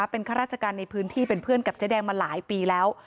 เป็นข้าราชการในพื้นที่เป็นเพื่อนกับเจ๊แดงมาหลายปีแล้ว